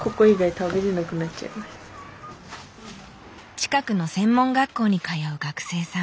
近くの専門学校に通う学生さん。